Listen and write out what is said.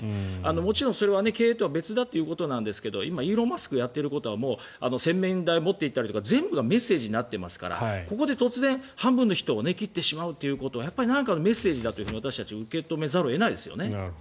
もちろんそれは経営とは別だということなんですが今、イーロン・マスクがやっていることは洗面台を持っていったりとか全部がメッセージになっていますからここで突然半分の人を切ってしまうということはやっぱり何かのメッセージだと私たちは受け止めざるを得ないですよね。